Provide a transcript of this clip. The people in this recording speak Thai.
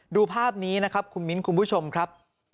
ดูภาพนี้คุณมิ้นต์คุณผู้ชมครับ